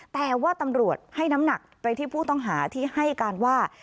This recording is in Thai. แต่ว่าตำรวจให้น้ำหนักไปที่ผู้ต้องหาที่ให้การว่า